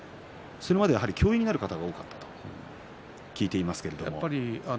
それまでは教員になる方が多かったと聞いています。